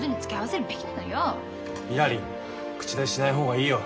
ひらり口出ししない方がいいよ。